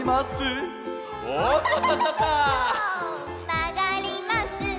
「まがります」